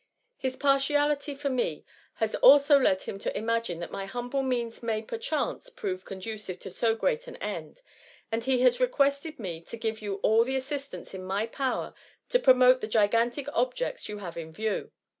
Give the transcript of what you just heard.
His partiality for me has also led him to imagine that my humble means may perchance prove condu cive to so great an«end, and he has requested me to give you all the assistance in my power to promote the gigantic objects you have in view.